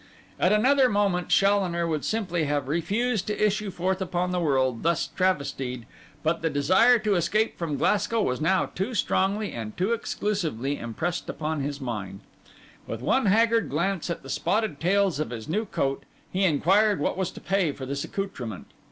At another moment Challoner would simply have refused to issue forth upon the world thus travestied; but the desire to escape from Glasgow was now too strongly and too exclusively impressed upon his mind. With one haggard glance at the spotted tails of his new coat, he inquired what was to pay for this accoutrement.